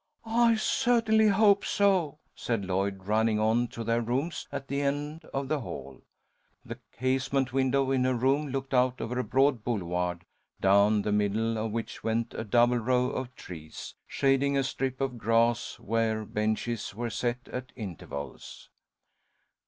"I certainly hope so," said Lloyd, running on to their rooms at the end of the hall. The casement window in her room looked out over a broad bouleyard, down the middle of which went a double row of trees, shading a strip of grass, where benches were set at intervals.